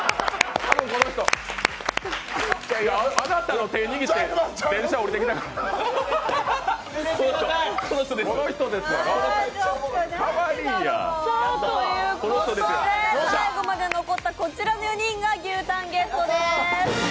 多分この人、あなたの手握って電車降りてきた、この人ですやん。ということで、最後まで残ったこちらの４人が牛タン、ゲットです。